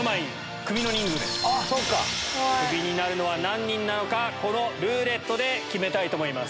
クビになるのは何人なのか、このルーレットで決めたいと思います。